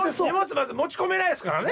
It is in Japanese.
まず持ち込めないですからね